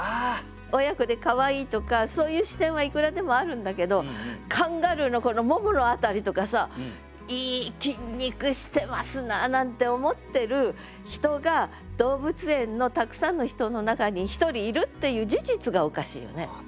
親子でかわいいとかそういう視点はいくらでもあるんだけどカンガルーのこのももの辺りとかさ「いい筋肉してますな」なんて思ってる人が動物園のたくさんの人の中に１人いるっていう事実がおかしいよね。